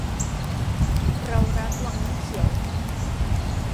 เรารักวังน้ำเขียว